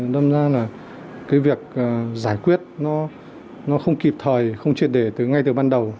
đâm ra là cái việc giải quyết nó không kịp thời không triệt để từ ngay từ ban đầu